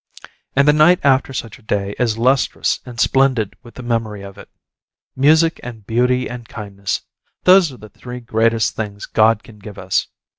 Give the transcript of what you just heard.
And the night after such a day is lustrous and splendid with the memory of it. Music and beauty and kindness those are the three greatest things God can give us.